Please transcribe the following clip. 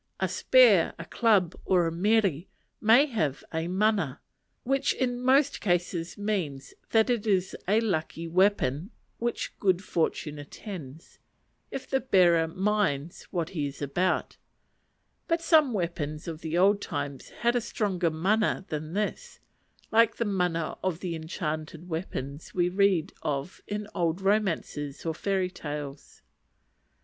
A spear, a club, or a mere, may have a mana; which in most cases means that it is a lucky weapon which good fortune attends, if the bearer minds what he is about: but some weapons of the old times had a stronger mana than this, like the mana of the enchanted weapons we read of in old romances or fairy tales.